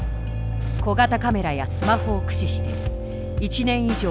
小型カメラやスマホを駆使して１年以上にわたり記録した。